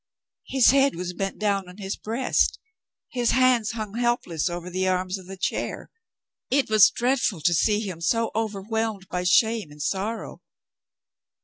His head was bent down on his breast his hands hung helpless over the arms of the chair it was dreadful to see him so overwhelmed by shame and sorrow!